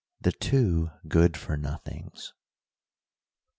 "THE TWO GOOD FOR NOTHINGS."